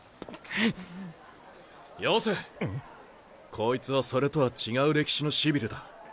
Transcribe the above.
こいつはそれとは違う歴史のシビルだ。